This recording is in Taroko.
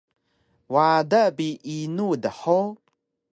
Wada bi inu dhug?